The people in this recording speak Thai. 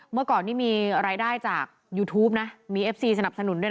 เมื่อก่อนนี่มีรายได้จากยูทูปนะมีเอฟซีสนับสนุนด้วยนะ